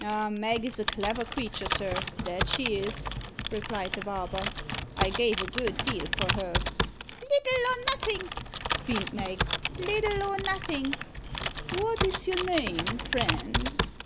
"Ah! Mag is a clever creature, sir that she is," replied the barber. "I gave a good deal for her." "Little or nothing!" screamed Mag "little or nothing!" "What is your name, friend?"